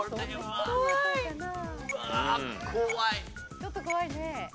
ちょっと怖いね。